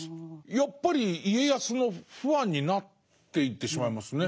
やっぱり家康のファンになっていってしまいますね。